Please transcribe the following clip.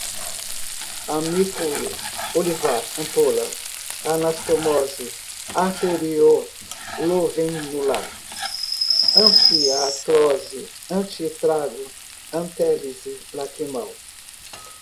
álveo, hipocampo, alvéolos, amículo olivar, ampola, anastomose arteríolovenular, anfiartrose, antitrago, antélice, lacrimal